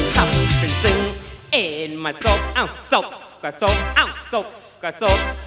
ทำซึงเอ่นมาซบเอ้าซบก็ซบเอ้าซบก็ซบ